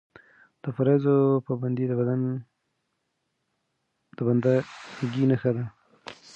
د فرایضو پابندي د بنده ګۍ نښه ده.